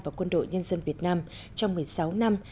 và quân đội nhân dân việt nam trong một mươi sáu năm